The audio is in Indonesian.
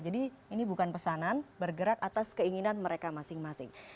jadi ini bukan pesanan bergerak atas keinginan mereka masing masing